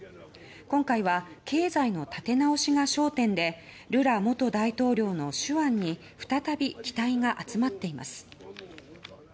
今回は経済の立て直しが焦点でルラ元大統領の手腕に再び期待が集まっています。